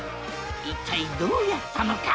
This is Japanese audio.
一体どうやったのか？